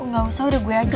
gak usah udah gue aja